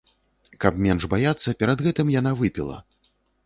Каб менш баяцца, перад гэтым яна выпіла.